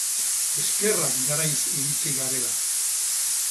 Eskerrak garaiz iritsi garela!